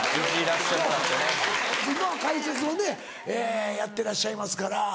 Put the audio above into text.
今は解説をねやってらっしゃいますから。